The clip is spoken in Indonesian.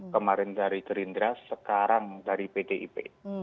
kemarin dari gerindra sekarang dari pdip